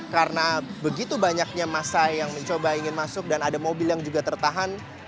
karena begitu banyaknya masa yang mencoba ingin masuk dan ada mobil yang juga tertahan